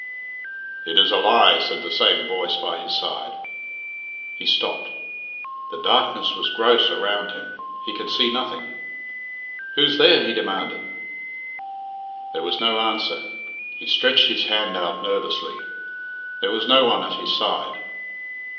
"It is a lie," said the same voice by his side. He stopped. The darkness was gross around him he could see nothing. "Who's there?" he demanded. There was no answer. He stretched his hand out nervously. There was no one at his side.